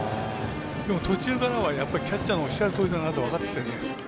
でも、途中からはキャッチャーのおっしゃるとおりだなと分かってきたんじゃないですか。